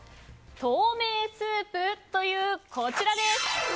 透明スープという、こちらです。